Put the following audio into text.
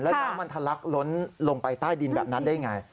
แล้วน้ำมันทะลักล้นลงไปใต้ดินแบบนั้นได้ยังไง